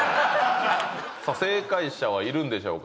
さあ正解者はいるんでしょうか？